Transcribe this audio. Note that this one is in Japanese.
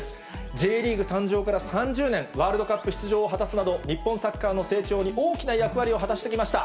Ｊリーグ誕生から３０年、ワールドカップ出場を果たすなど、日本サッカーの成長に大きな役割を果たしてきました。